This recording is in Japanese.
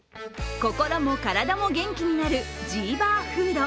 心も体も元気になるジーバーフード。